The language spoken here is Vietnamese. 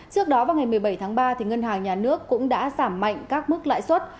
trước đó vào ngày một mươi bảy tháng ba ngân hàng nhà nước cũng đã giảm mạnh các mức lãi suất